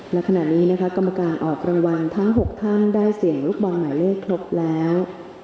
และขณะนี้นะคะกรรมการออกรางวัลทั้ง๖ท่านได้เสี่ยงลูกบอลหมายเลขครบแล้ว